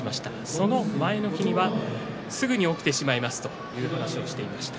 その前の日にはすぐに起きてしまいますという話をしていました。